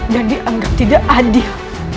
dan dianggap tidak adil